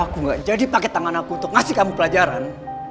aku gak jadi pakai tangan aku untuk ngasih kamu pelajaran